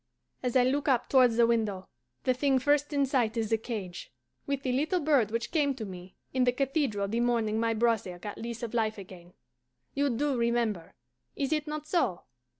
As I look up towards the window, the thing first in sight is the cage, with the little bird which came to me in the cathedral the morning my brother got lease of life again: you DO remember is it not so?